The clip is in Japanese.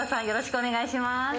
よろしくお願いします。